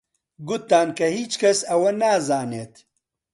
گوتتان کە هیچ کەس ئەوە نازانێت